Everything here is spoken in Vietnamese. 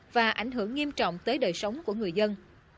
và ảnh hưởng nghiêm trọng tới đời sống của người dân